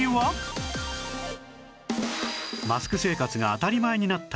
マスク生活が当たり前になった